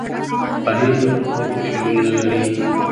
پنېر د خوند له مخې ډولونه لري.